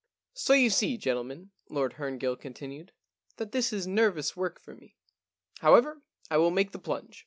* So you see, gentlemen,' Lord Herngill continued, * that this is nervous work for me. However, I will make the plunge.